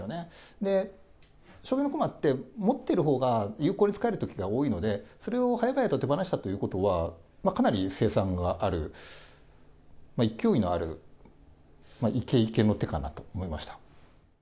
で、将棋の駒って、持ってるほうが有効に使えるときっていうのが多いので、それをはやばやと手放したということは、かなり成算がある、勢いのある、イケイケの手かなと思いました。